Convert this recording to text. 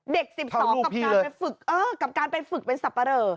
เด็ก๑๒กับการไปฝึกเป็นสับปะเรอ